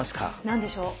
何でしょう？